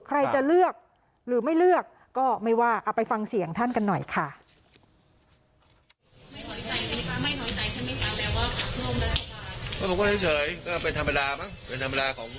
ใครจะเลือกหรือไม่เลือกก็ไม่ว่าเอาไปฟังเสียงท่านกันหน่อยค่ะ